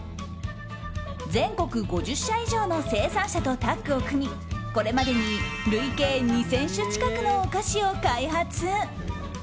全国５０社以上の生産者とタッグを組みこれまでに累計２０００種近くのお菓子を開発。